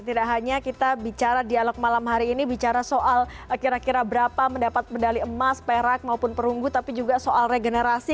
tidak hanya kita bicara dialog malam hari ini bicara soal kira kira berapa mendapat medali emas perak maupun perunggu tapi juga soal regenerasi